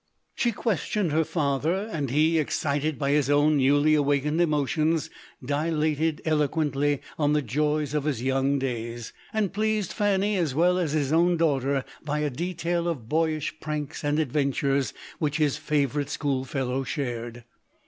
She questioned her father, and lie, excited by his own newly awak ened emotions, dilated eloquently on the joys of his young days, and pleased Fanny, as well as his own daughter, by a detail of boyish pranks and adventures which his favourite school fellow shared.